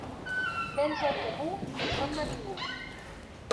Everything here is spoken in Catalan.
Béns del comú no són de ningú.